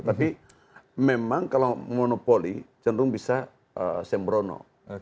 tapi memang kalau monopoli cenderung bisa sembrono